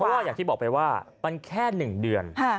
เพราะว่าอย่างที่บอกไปว่ามันแค่๑เดือน